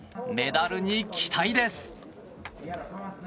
メダルに期待です。